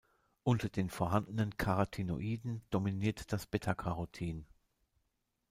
Unter den vorhandenen Carotinoiden dominiert das Beta-Carotin.